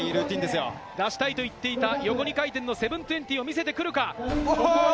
出したいと言っていた横２回転の７２０を見せてくるか？